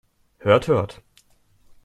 Hört, hört!